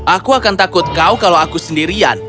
aku akan takut kau kalau aku sendirian